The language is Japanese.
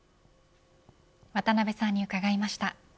渡辺さんに伺いました。